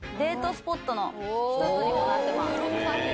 スポットの一つにもなってます。